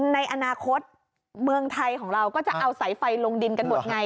ในอนาคตเมืองไทยของเราก็จะเอาสายไฟลงดินกันหมดไง